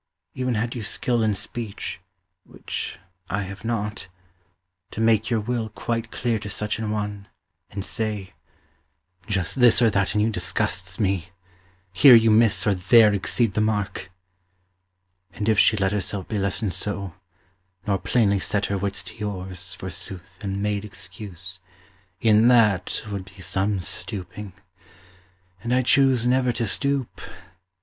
Even had you skill In speech (which I have not) to make your will Quite clear to such an one, and say, "Just this Or that in you disgusts me; here you miss, Or there exceed the mark" and if she let Herself be lessoned so, nor plainly set 40 Her wits to yours, forsooth, and made excuse, E'en that would be some stooping; and I choose Never to stoop.